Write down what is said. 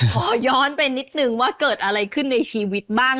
ขอย้อนไปนิดนึงว่าเกิดอะไรขึ้นในชีวิตบ้าง